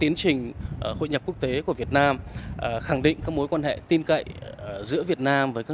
tiến trình hội nhập quốc tế của việt nam khẳng định các mối quan hệ tin cậy giữa việt nam với các